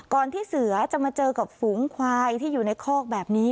ที่เสือจะมาเจอกับฝูงควายที่อยู่ในคอกแบบนี้